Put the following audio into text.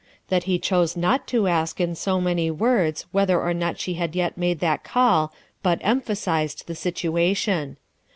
That he chose not to ask in so many words whether or not she had yet made that call but emphasized the situation.